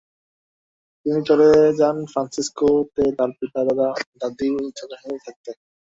তিনি চলে যান ফ্রান্সিসকো তে তার পিতা, দাদা-দাদী ও চাচার সাথে থাকতে।